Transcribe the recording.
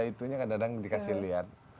kadang kadang dikasih lihat